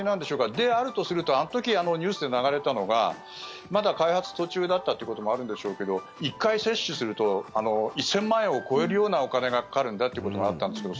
で、あるとするとあの時、ニュースで流れたのがまだ開発途中だったということもあるんでしょうけど１回接種すると、１０００万円を超えるようなお金がかかるんだってことがあったんですけど